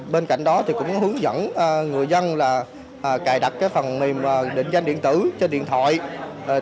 bên cạnh đó cũng hướng dẫn người dân cài đặt phần mềm định danh điện tử cho điện thoại